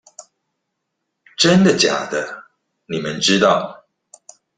真的假的你們知道